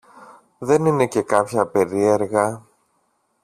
Δεν είναι και κάποια περίεργα